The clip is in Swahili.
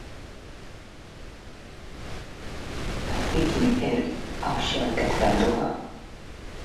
kufurahia tofauti na maslahi yako maalum kuifanya